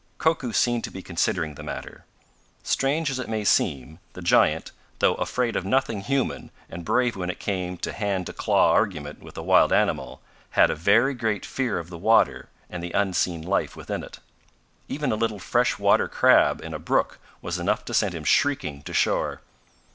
Koku seemed to be considering the matter. Strange as it may seem, the giant, though afraid of nothing human and brave when it came to a hand to claw argument with a wild animal, had a very great fear of the water and the unseen life within it. Even a little fresh water crab in a brook was enough to send him shrieking to shore.